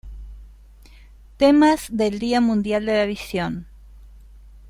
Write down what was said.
Temas del Día Mundial de la Visión